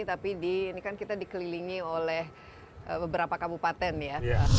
tapi ini kan kita dikelilingi oleh beberapa kabupaten ya